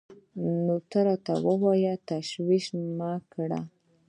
نو راته وويل تشويش مه کړه.